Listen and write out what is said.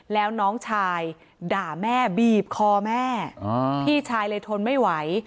แล้วน้องชายด่าแม่บีบคอแม่พี่ชายเลยทนไม่ไหว